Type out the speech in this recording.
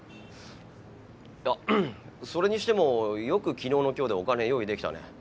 それにしてもよく昨日の今日でお金用意できたね。